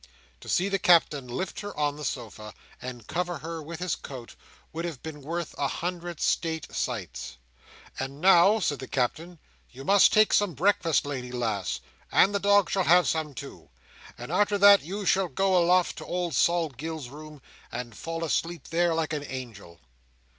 To see the Captain lift her on the sofa, and cover her with his coat, would have been worth a hundred state sights. "And now," said the Captain, "you must take some breakfast, lady lass, and the dog shall have some too. And arter that you shall go aloft to old Sol Gills's room, and fall asleep there, like a angel."